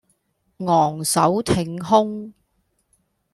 昂首挺胸